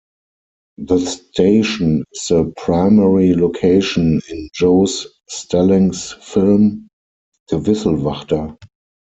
The station is the primary location in Jos Stelling's film "De Wisselwachter".